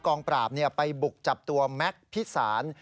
กองปราบไปบุกจับตัวแม็กซ์พิสาร